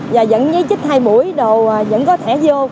và vẫn giấy chích hai mũi đồ vẫn có thẻ vô